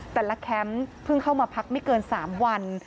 แคมป์เพิ่งเข้ามาพักไม่เกิน๓วัน